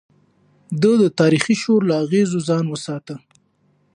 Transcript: ده د تاريخي شور له اغېزو ځان وساته.